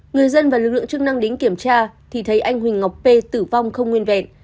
người dân và lực lượng chức năng đến kiểm tra thì thấy anh huỳnh ngọc p tử vong không nguyên vẹn